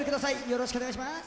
よろしくお願いします。